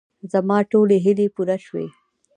زما ټولې هیلې پوره شوې.